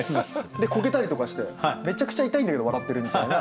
こけたりとかしてめちゃくちゃ痛いんだけど笑ってるみたいな。